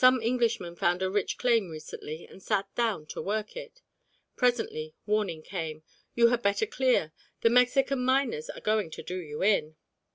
Some Englishmen found a rich claim recently, and sat down to work it. Presently warning came, "You had better clear. The Mexican miners are going to 'do you in.'"